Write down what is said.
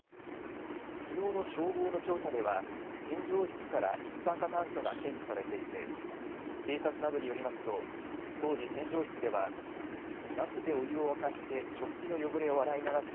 きのうの消防の調査では洗浄室から一酸化炭素が検知されていて警察などによりますと当時、洗浄室ではガスでお湯を沸かして食器の汚れを洗い流す